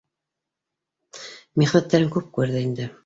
Михнәттәрен күп күрҙе инде